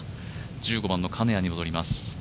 １５番の金谷に戻ります。